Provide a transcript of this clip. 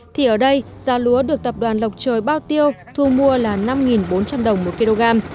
thì ở đây giá lúa được tập đoàn lộc trời bao tiêu thu mua là năm bốn trăm linh đồng một kg